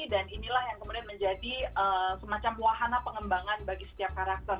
dan inilah yang kemudian menjadi semacam wahana pengembangan bagi setiap karakter